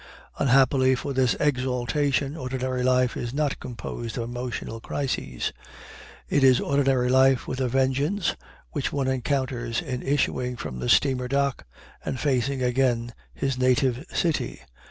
Unhappily for this exaltation, ordinary life is not composed of emotional crises. It is ordinary life with a vengeance which one encounters in issuing from the steamer dock and facing again his native city.